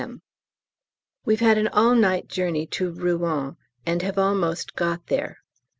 M. We've had an all night journey to Rouen, and have almost got there.